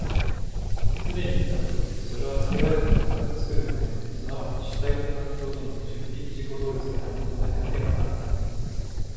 既にいった如く、それは作られたものから作るものへ、即ち主体と環境との矛盾的自己同一にあるのでなければならない。